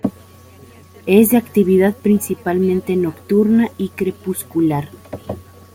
Es de actividad principalmente nocturna y crepuscular.